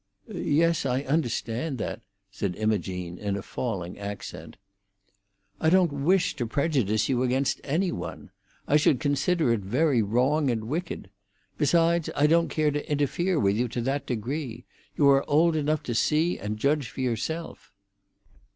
"Yes; I understand that," said Imogene, in a falling accent. "I don't wish to prejudice you against any one. I should consider it very wrong and wicked. Besides, I don't care to interfere with you to that degree. You are old enough to see and judge for yourself."